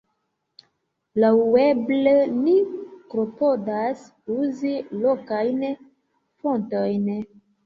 Laŭeble ni klopodas uzi lokajn fontojn.